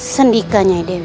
sendikanya nyai dewi